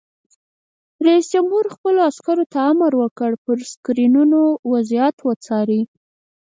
رئیس جمهور خپلو عسکرو ته امر وکړ؛ پر سکرینونو وضعیت وڅارئ!